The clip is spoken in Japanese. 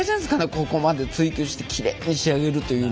ここまで追求してきれいに仕上げるというのが。